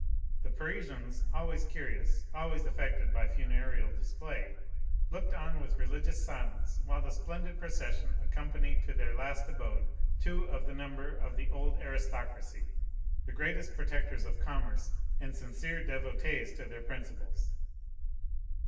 The Parisians, always curious, always affected by funereal display, looked on with religious silence while the splendid procession accompanied to their last abode two of the number of the old aristocracy—the greatest protectors of commerce and sincere devotees to their principles.